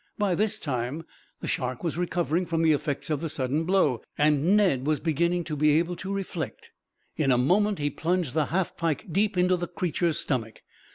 By this time the shark was recovering from the effects of the sudden blow, and Ned was beginning to be able to reflect. In a moment he plunged the half pike deep into the creature's stomach.